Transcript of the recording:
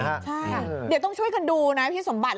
ใช่เดี๋ยวต้องช่วยกันดูนะพี่สมบัติ